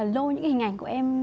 lôi những hình ảnh của em